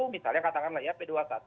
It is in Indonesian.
misalnya katakanlah ya p dua puluh satu